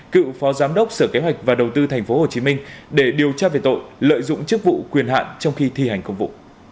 cựu phó giám đốc sở kế hoạch và đầu tư tp hcm để điều tra về tội lợi dụng chức vụ quyền hạn trong khi thi hành công vụ